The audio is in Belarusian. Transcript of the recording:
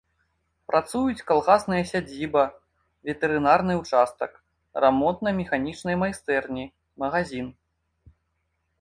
Працуюць калгасная сядзіба, ветэрынарны ўчастак, рамонтна-механічныя майстэрні, магазін.